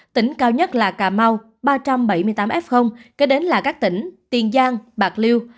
tỉnh cao nhất là cà mau ba trăm bảy mươi tám f kế đến là các tỉnh tiền giang bạc liêu